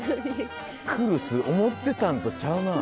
ピクルス思ってたんとちゃうな。